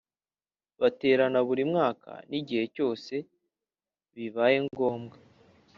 Baterana buri mwaka n’igihe cyose bibaye ngombwa